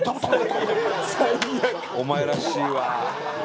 お前らしいわ。